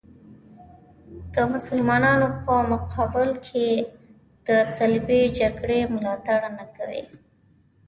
د مسلمانانو په مقابل کې د صلیبي جګړې ملاتړ نه کوي.